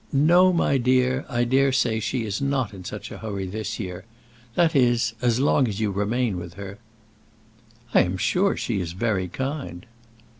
"No, my dear, I daresay she is not in such a hurry this year, that is, as long as you remain with her." "I am sure she is very kind."